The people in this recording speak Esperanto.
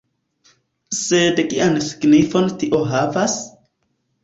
Sed kian signifon tio havas?